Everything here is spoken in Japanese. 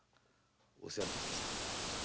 お世話になりました。